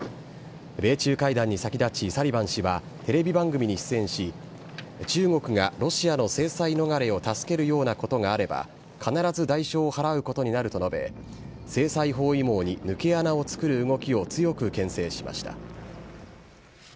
米中会談に先立ち、サリバン氏はテレビ番組に出演し、中国がロシアの制裁逃れを助けるようなことがあれば、必ず代償を払うことになると述べ、制裁包囲網に抜け穴を作る動きを強くけん制しました。